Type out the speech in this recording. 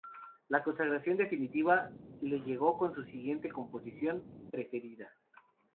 La consagración definitiva le llegó con su siguiente composición; "Perfidia".